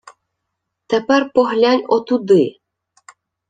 — Тепер поглянь отуди!